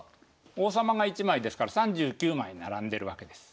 王様が１枚ですから３９枚並んでるわけです。